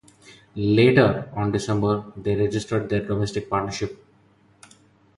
Later on December they registered their domestic partnership.